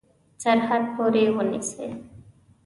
سرحد پوري ونیسي.